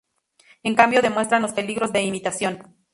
En cambio demuestran los peligros de imitación.